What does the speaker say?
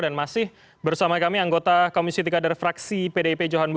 dan masih bersama kami anggota komisi tikadar fraksi pdip jawa